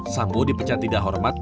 sambo dipecat tidak hormat